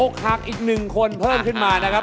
หักอีก๑คนเพิ่มขึ้นมานะครับ